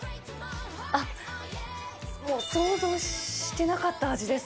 あっ、もう想像してなかった味です。